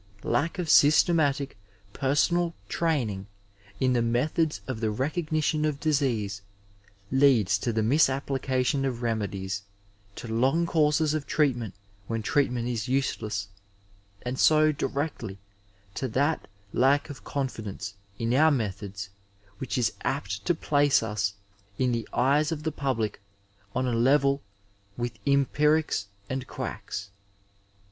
Lack of systematic personal training in the methods of the recognition of disease leads to the misapplication of remedies, to long courses of treat m/ent when treatment is useless, and so directly to that lack of confidence in our methods which is aft to place us in the eyes of the public on a levd with empirics and quacks.